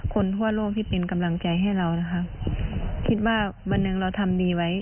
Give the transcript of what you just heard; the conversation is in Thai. คนทั่วโลกที่เป็นกำลังใจให้เรานะคะคิดว่าวันหนึ่งเราทำดีไว้